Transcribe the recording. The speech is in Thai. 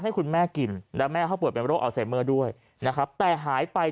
ให้คุณแม่กินแล้วแม่เขาป่วยเป็นโรคอัลไซเมอร์ด้วยนะครับแต่หายไป